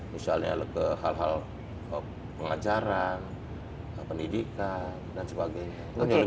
misalnya ke hal hal pengajaran pendidikan dan sebagainya